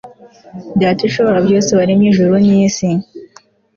dat'ushobora byose waremy'ijuru n'isi